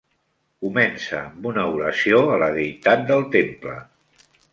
Comença amb una oració a la deïtat del temple.